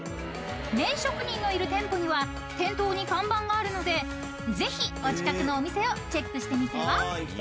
［麺職人のいる店舗には店頭に看板があるのでぜひお近くのお店をチェックしてみては？］